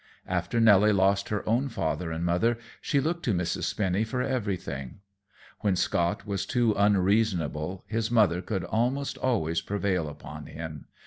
After Nelly lost her own father and mother, she looked to Mrs. Spinny for everything. When Scott was too unreasonable, his mother could 'most always prevail upon him.